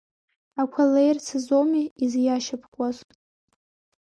Ақәа леирц азоуми изиашьапкуаз!